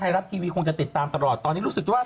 รัฐทีวีคงจะติดตามตลอดตอนนี้รู้สึกว่า